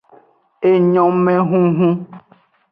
Enyomehunhun.